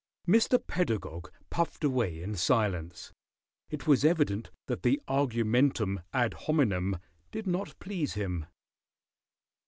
Mr. Pedagog puffed away in silence. It was evident that the argumentum ad hominem did not please him.